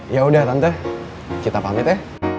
yaudah tante kita pamit ya